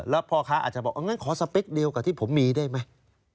แล้วพ่อค้าอาจจะบอกงั้นขอสเปคเดียวกับที่ผมมีได้ไหม